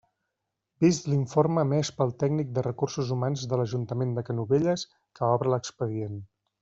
Vist l'informe emès pel tècnic de recursos humans de l'ajuntament de Canovelles que obra a l'expedient.